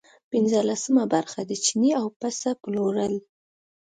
پنځلسمه برخه د چیني او پسه پلورل.